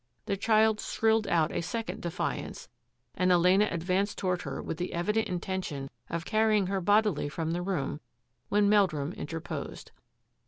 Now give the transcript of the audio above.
The child shrilled out a second defiance, and Elena advanced toward her with the evident inten tion of carrying her bodily from the room when Meldrum interposed.